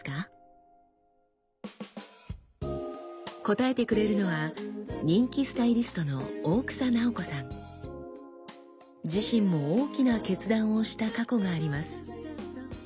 答えてくれるのは人気自身も大きな決断をした過去があります。